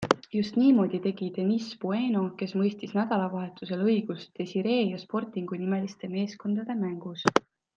Just niimoodi tegi Denise Bueno, kes mõistis nädalavahetusel õigust Desire ja Sportingu nimeliste meeskondade mängus.